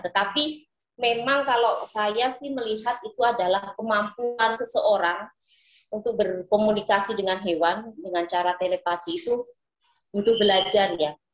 tapi memang kalau saya melihat itu adalah kemampuan seseorang untuk berkomunikasi dengan hewan dengan cara telepati itu butuh belajarnya